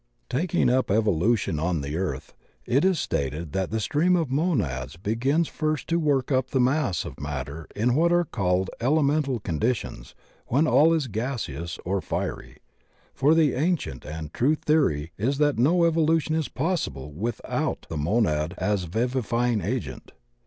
Taking up evolution on the Earth, it is stated that the stream of Monads begins first to work up the mass of matter in what are called elemental condi tions when all is gaseous or fiery. For the ancient and true theory is that no evolution is possible without the Monad as vivifying agent.